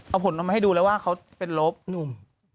เอาผลออกมาให้ดูแล้วว่าเขาเป็นลบหนุ่ม